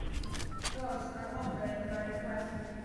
Tours are offered by request.